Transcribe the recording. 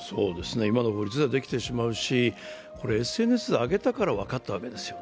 今の法律ではできてしまうし、ＳＮＳで上げたから分かったわけですよね。